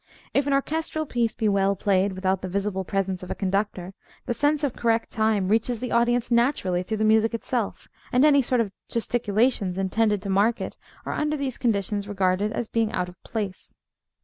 If an orchestral piece be well played without the visible presence of a conductor, the sense of correct time reaches the audience naturally through the music itself; and any sort of gesticulations intended to mark it are under these conditions regarded as being out of place.